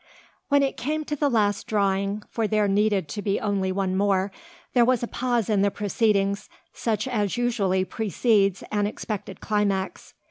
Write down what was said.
When it came to the last drawing, for there needed to be only one more, there was a pause in the proceedings, such as usually precedes an expected climax.